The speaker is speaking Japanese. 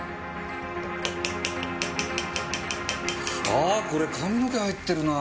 ああこれ髪の毛入ってるなぁ。